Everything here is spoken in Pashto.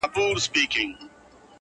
دېو که شیطان یې خو ښکرور یې؛